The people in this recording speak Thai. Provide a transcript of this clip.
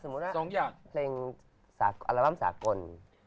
สมมุติว่าเพลงอัลบั้มสากล